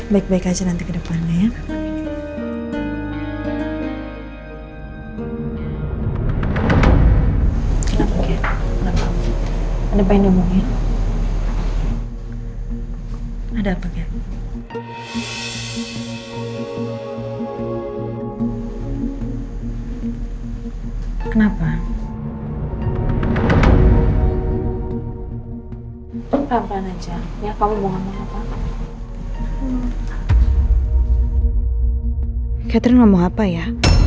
baik baik aja nanti ke depannya ya